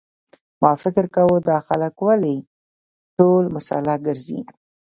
ما فکر کاوه دا خلک ولې ټول مسلح ګرځي.